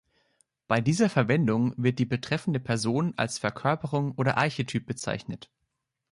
Bei dieser Verwendung wird die betreffende Person als Verkörperung oder Archetyp bezeichnet.